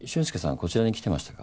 こちらに来てましたか？